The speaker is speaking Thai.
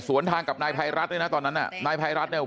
สวนทางกับนายพัยรัฐนะตอนนั้นนายพัยรัฐเนี่ย